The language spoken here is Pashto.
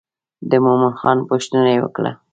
د مومن خان پوښتنه یې وکړه.